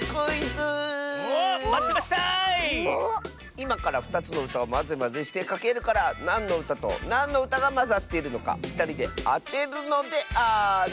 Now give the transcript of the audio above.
いまから２つのうたをマゼマゼしてかけるからなんのうたとなんのうたがまざっているのかふたりであてるのである！